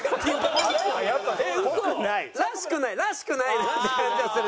らしくないらしくないなって感じはする。